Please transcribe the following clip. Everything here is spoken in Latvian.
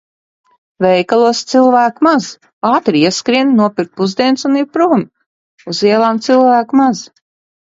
Veikalos cilvēku maz. Ātri ieskrienu nopirkt pusdienas un prom. Uz ielām cilvēku maz.